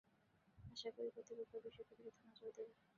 আশা করি, কর্তৃপক্ষ বিষয়টিতে দ্রুত নজর দেবে।